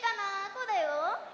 こうだよ。